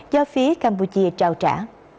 do phía campuchia trao trả